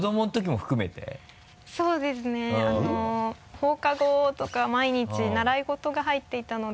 放課後とか毎日習い事が入っていたので。